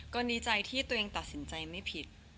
ก็ดีใจที่ตัวเองตัดสินใจไม่ผิด